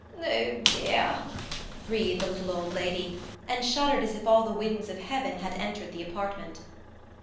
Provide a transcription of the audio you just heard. "Oh, dear!" breathed the little old lady, and shuddered as if all the winds of heaven had entered the apartment.